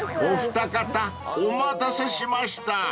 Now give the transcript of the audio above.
［お二方お待たせしました］